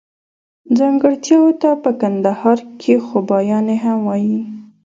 ځانګړتياوو ته په کندهار کښي خوباياني هم وايي.